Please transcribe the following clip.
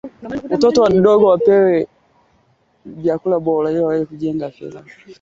kama mwanachama wa umoja wa afrika mashariki kutaimarisha uchumi wa kikanda na ushindani barani huko na kote duniani